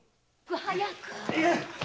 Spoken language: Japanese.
早く！